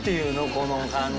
この感じ。